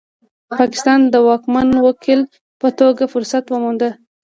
پاکستان د واکمن وکیل په توګه فرصت وموند.